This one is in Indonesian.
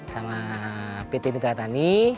sama pt mitra tani